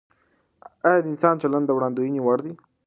آیا د انسان چلند د وړاندوینې وړ دی؟